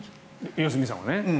良純さんはね。